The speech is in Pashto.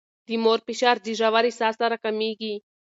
د مور فشار د ژورې ساه سره کمېږي.